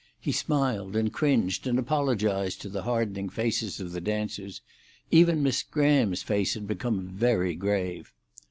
He smiled and cringed, and apologised to the hardening faces of the dancers: even Miss Graham's face had become very grave.